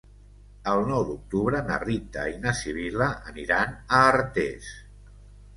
El nou d'octubre na Rita i na Sibil·la aniran a Artés.